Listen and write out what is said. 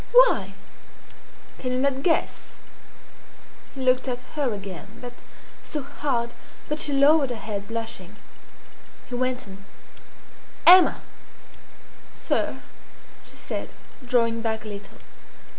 "Why?" "Can you not guess?" He looked at her again, but so hard that she lowered her head, blushing. He went on "Emma!" "Sir," she said, drawing back a little.